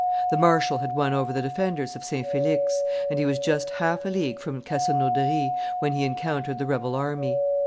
The marshal had won over the defenders of St. Felix, and he was just half a league from Castelnaudary when he encountered the rebel army.